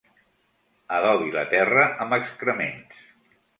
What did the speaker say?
Adobi la terra amb excrements.